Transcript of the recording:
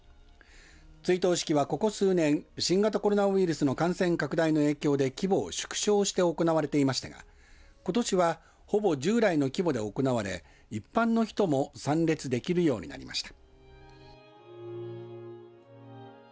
追悼式はここ数年新型コロナウイルスの感染拡大の影響で規模を縮小して行われていましたがことしはほぼ従来の規模で行われ一般の人も参列できるようになりました。